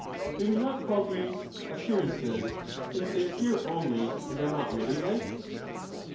May we not call these 'appearances, smce they appear only and are not really like?